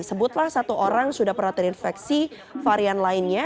sebutlah satu orang sudah pernah terinfeksi varian lainnya